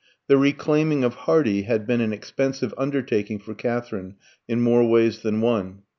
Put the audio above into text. The reclaiming of Hardy had been an expensive undertaking for Katherine in more ways than one.